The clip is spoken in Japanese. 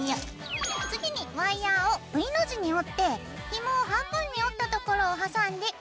次にワイヤーをＶの字に折ってひもを半分に折ったところをはさんでクシャクシャにするよ。